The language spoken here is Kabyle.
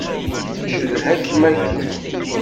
Ncedha-kem akkit.